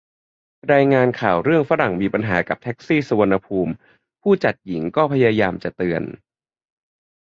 รายงานข่าวเรื่องฝรั่งมีปัญหากับแท็กซี่สุวรรณภูมิ ผู้จัดหญิงก็พยายามจะเตือน